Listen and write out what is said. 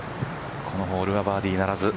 このホールはバーディーならず。